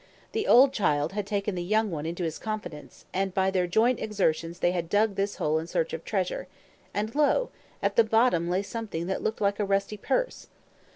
The old child had taken the young one into his confidence, and by their joint exertions they had dug this hole in search of treasure; and lo! at the bottom lay something that looked like a rusty purse.